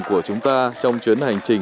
của chúng ta trong chuyến hành trình